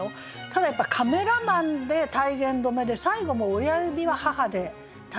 ただやっぱ「カメラマン」で体言止めで最後も「親指は母」で体言止めになってて。